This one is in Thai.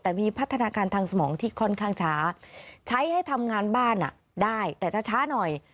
แต่มีพัฒนาการทางสมองที่ค่อนข้างช้าใช้ให้ทำงานบ้านได้แต่จะช้าหน่อย